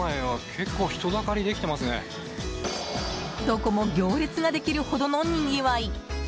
どこも行列ができるほどのにぎわい。